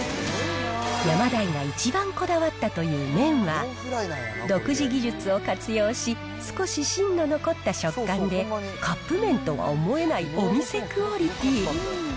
ヤマダイが一番こだわったという麺は、独自技術を活用し、少し芯の残った食感で、カップ麺とは思えないお店クオリティー。